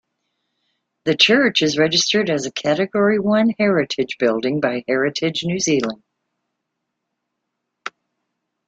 The church is registered as a Category One heritage building by Heritage New Zealand.